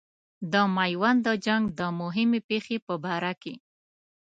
د میوند د جنګ د مهمې پیښې په باره کې.